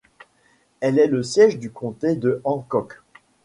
Elle est le siège du comté de Hancock.